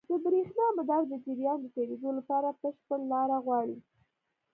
د برېښنا مدار د جریان د تېرېدو لپاره بشپړ لاره غواړي.